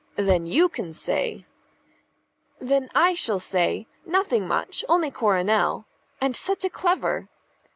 then you can say " "Then I shall say, 'Nothing much; only Coronel.' And such a clever!"